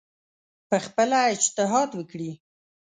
پخپله اجتهاد وکړي